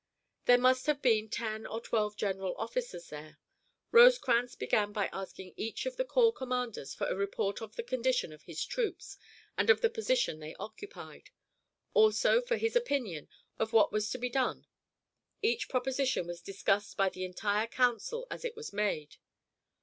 There must have been ten or twelve general officers there. Rosecrans began by asking each of the corps commanders for a report of the condition of his troops and of the position they occupied; also for his opinion of what was to be done. Each proposition was discussed by the entire council as it was made.